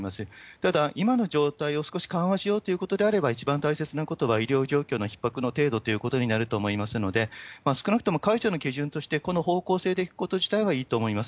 ただ、今の状態を少し緩和しようということであれば、一番大切なことは医療状況のひっ迫の程度ということになると思いますので、少なくとも解除の基準として、この方向性でいくこと自体はいいと思います。